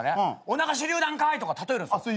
「おなか手りゅう弾かい！」とか例えるんですよ。